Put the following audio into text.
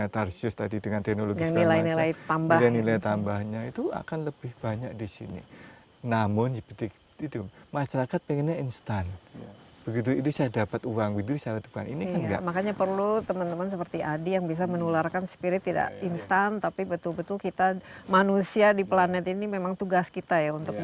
ada semangat itu kesadaran itu sudah mulai muncul gitu